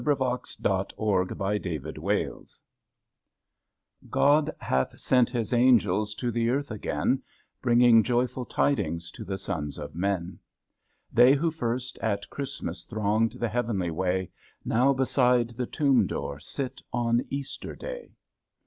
36 ] EASTER ANGELS EASTER ANGELS OD hath sent His Angels To the earth again, Bringing joyful tidings To the sons of men. They who first at Christmas Thronged the heavenly way, Now beside the tomb door Sit on Easter Day.